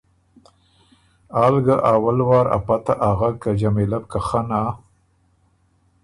آل ګۀ اول وار ا پته اغک که جمیلۀ بو که خنا،